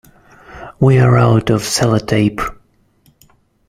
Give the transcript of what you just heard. We're out of sellotape.